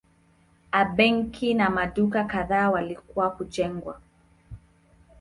A benki na maduka kadhaa walikuwa kujengwa.